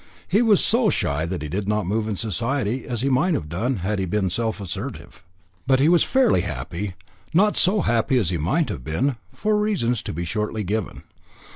He was so shy that he did not move in Society as he might have done had he been self assertive. But he was fairly happy not so happy as he might have been, for reasons to be shortly given.